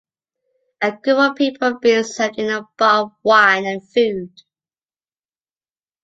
A group of people being served in a bar of wine and food.